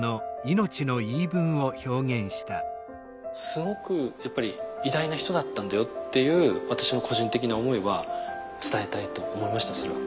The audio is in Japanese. すごくやっぱり偉大な人だったんだよっていう私の個人的な思いは伝えたいと思いましたそれは。